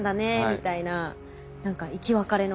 みたいな何か生き別れの。